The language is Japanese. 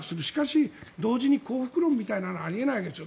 しかし、同時に幸福論みたいなのはあり得ないわけ。